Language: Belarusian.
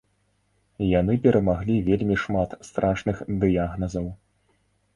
Яны перамаглі вельмі шмат страшных дыягназаў.